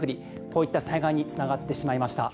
こういった災害につながってしまいました。